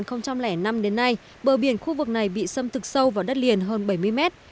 từ năm hai nghìn năm đến nay bờ biển khu vực này bị xâm thực sâu vào đất liền hơn bảy mươi mét